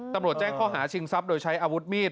ตำรวจแจ้งข้อหาชิงทรัพย์โดยใช้อาวุธมีด